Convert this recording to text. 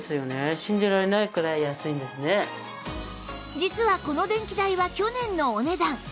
実はこの電気代は去年のお値段